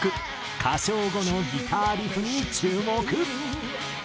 歌唱後のギターリフに注目。